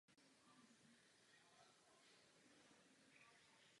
Pro záchranu jedle korejské je třeba zvýšit přírodní regeneraci této jedle ze semen.